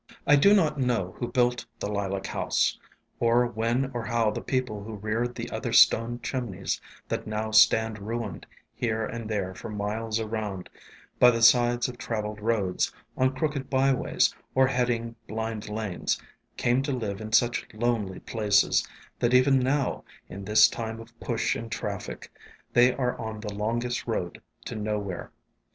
I do not know who built the Lilac House, or when or how the people who reared the other stone chimneys that now stand ruined here and there for miles around, — by the sides of travelled roads, on crooked byways, or heading blind lanes, — came to live in such lonely places, that even now, in this time of push and traffic, they are on the longest road to nowhere.